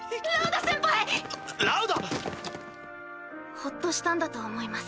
ほっとしたんだと思います。